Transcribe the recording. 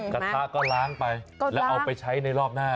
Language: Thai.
กระทะก็ล้างไปแล้วเอาไปใช้ในรอบหน้า